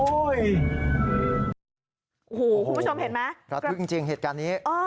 โอ้โหคุณผู้ชมเห็นไหมระทึกจริงเหตุการณ์นี้